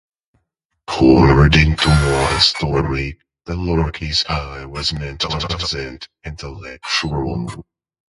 According to one story, the lower-case "i" was meant to represent "intellectual".